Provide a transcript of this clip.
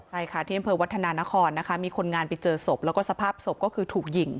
ใช่ค่ะที่อำเภอวัฒนานครนะคะมีคนงานไปเจอศพแล้วก็สภาพศพก็คือถูกยิง